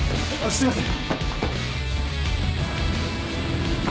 すいません。